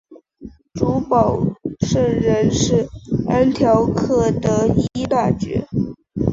主保圣人是安条克的依纳爵。